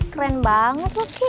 keren banget loh ki